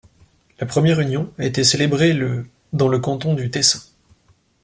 La première union a été célébrée le dans le canton du Tessin.